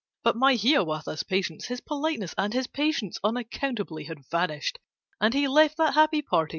But my Hiawatha's patience, His politeness and his patience, Unaccountably had vanished, And he left that happy party.